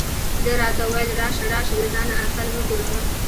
ده راته وویل: راشه راشه، له ځانه اتل مه جوړه.